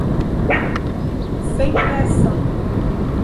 Sem reação